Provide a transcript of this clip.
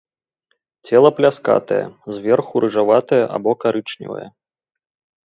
Цела пляскатае, зверху рыжаватае або карычневае.